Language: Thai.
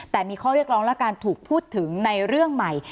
แต่มีข้อเรียกร้องและการถูกพูดถึงในเรื่องใหม่